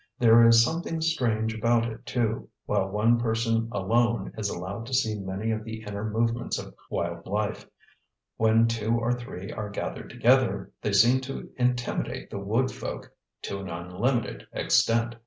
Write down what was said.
There is something strange about it too, while one person alone is allowed to see many of the inner movements of wild life, when two or three are gathered together, they seem to intimidate the wood folk to an unlimited extent.